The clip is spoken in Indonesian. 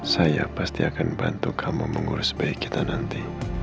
saya pasti akan bantu kamu mengurus bayi kita nanti